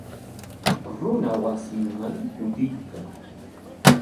Runa wasinman kutiykan.